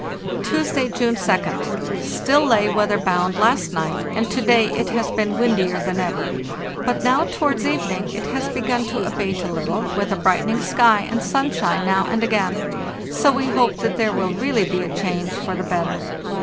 * "Tuesday, June 2d. Still lay weather bound last night, and to day it has been windier than ever. But now, towards evening, it has begun to abate a little, with a brightening sky and sunshine now and again; so we hope that there will really be a change for the better.